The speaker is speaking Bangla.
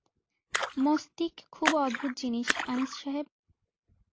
মস্তিক খুব অদ্ভুত জিনিস, আনিস সাহেব।